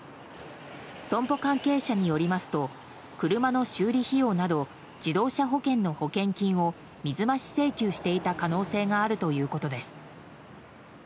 損保関係者によりますと車の修理費用など自動車保険の保険金を水増し請求していた可能性があるということです。